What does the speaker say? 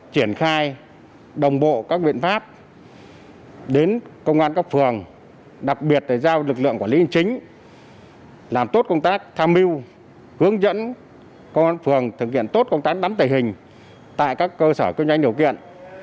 công an phường thực hiện tốt công tác đắm tẩy hình tại các cơ sở kinh doanh điều kiện